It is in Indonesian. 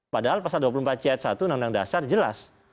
padahal pasal dua puluh empat c satu undang undang dasar jelas